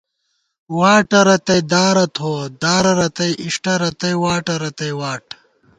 واٹہ رتئ دارہ تھووَہ ، دارہ رتئ اِݭٹہ ، رتئ واٹہ رتئ واٹ